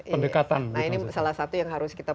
ini nah ini salah satu yang harus kita